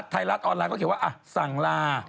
ไทรัตน์ออนไลน์ก็เขียนว่าอ่ะสั่งลา